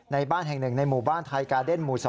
ในบ้านแห่งหนึ่งในหมู่บ้านไทยกาเดนหมู่๒